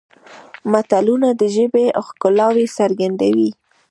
متلونه د ژبې ښکلاوې څرګندوي